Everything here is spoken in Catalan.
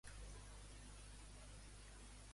Per què deixen a Rambo a Vietnam?